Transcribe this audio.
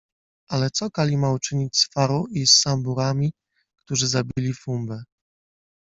Ale co Kali ma uczynić z Faru i z Samburami, którzy zabili Fumbę?